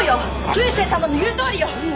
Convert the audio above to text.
空誓様の言うとおりよ！